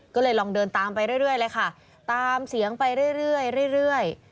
ก็เลยลองเดินตามไปเรื่อยเลยค่ะตามเสียงไปเรื่อย